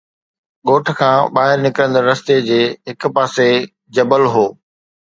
ڳوٺ کان ٻاهر نڪرندڙ رستي جي هڪ پاسي جبل هو